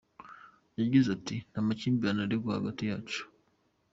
Yagize ati “Nta makimbirane arangwa hagati yacu.